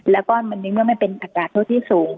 แล้วก็มันนึงไม่เป็นอากาศทดที่สูง